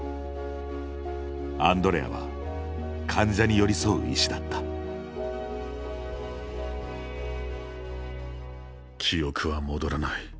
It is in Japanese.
アンドレアは患者に寄り添う医師だった記憶は戻らない。